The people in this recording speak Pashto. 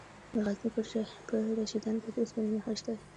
د غزني په رشیدان کې د اوسپنې نښې شته.